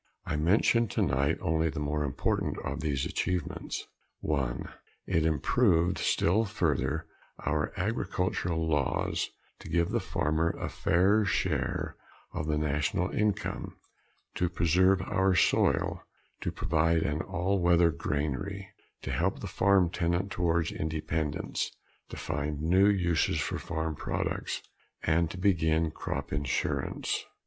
I mention tonight only the more important of these achievements. (1) It improved still further our agricultural laws to give the farmer a fairer share of the national income, to preserve our soil, to provide an all weather granary, to help the farm tenant towards independence, to find new uses for farm products, and to begin crop insurance.